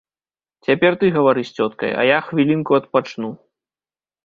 Цяпер ты гавары з цёткай, а я хвілінку адпачну.